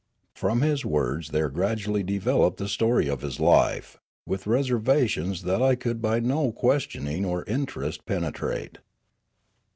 From his words there gradually developed the story of his life, with reservations that I could by no ques tioning or interest penetrate.